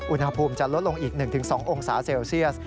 อุณหภูมิจะลดลงอีก๑๒องศาเซลเซียส